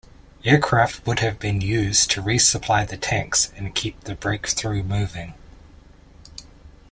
Aircraft would have been used to resupply the tanks and keep the breakthrough moving.